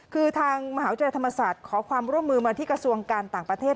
คือทางมหาวิทยาลัยธรรมศาสตร์ขอความร่วมมือมาที่กระทรวงการต่างประเทศ